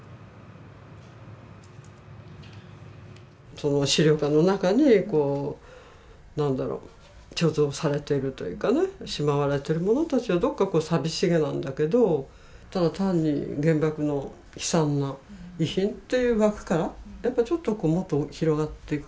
その資料館の中にこう何だろう貯蔵されているというかねしまわれているものたちはどっかこう寂しげなんだけどただ単に原爆の悲惨な遺品っていう枠からやっぱちょっとこうもっと広がっていく感じが